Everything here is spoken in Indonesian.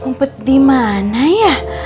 ngumpet dimana ya